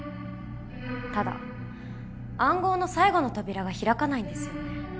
ただ暗号の最後の扉が開かないんですよね。